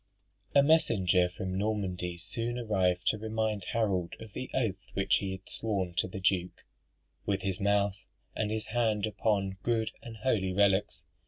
A messenger from Normandy soon arrived to remind Harold of the oath which he had sworn to the Duke "with his mouth, and his hand upon good and holy relics."